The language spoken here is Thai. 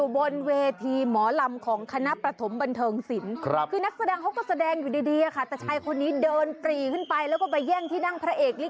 บอกเลยนะมันยังไงเนี่ยมันยังไง